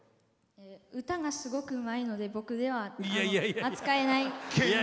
歌がすごくうまいので僕では扱えない。